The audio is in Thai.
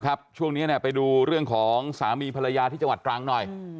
ช่วงนี้ไปดูเรื่องของสามีภรรยาที่จังหวัดตรังหน่อย